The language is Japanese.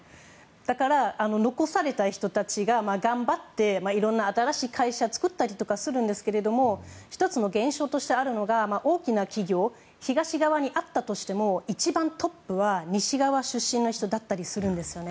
だから残された人たちが頑張っていろんな新しい会社を作ったりとかするんですけど１つの減少としてあるのが大きな企業が東側にあったとしても一番トップは西側出身の人だったりするんですよね。